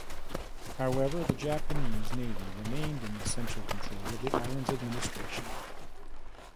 However, the Japanese Navy remained in essential control of the island's administration.